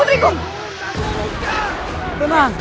putriku putriku jangan